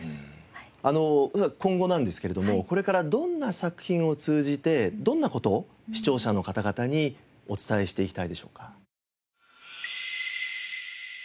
あの今後なんですけれどもこれからどんな作品を通じてどんな事を視聴者の方々にお伝えしていきたいでしょうか？